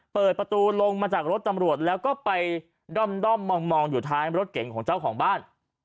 เปิดประตูลงมาจากรถตำรวจแล้วก็ไปด้อมมองอยู่ท้ายรถเก่งของเจ้าของบ้าน